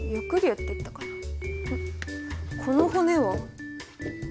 この骨は。